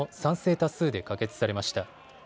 多数で可決されました。